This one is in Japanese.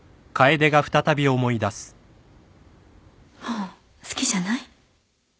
もう好きじゃない？